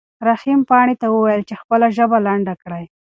رحیم پاڼې ته وویل چې خپله ژبه لنډه کړي.